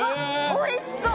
・おいしそう！